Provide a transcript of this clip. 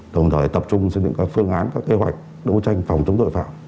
đồng thời tập trung xây dựng các phương án các kế hoạch đấu tranh phòng chống tội phạm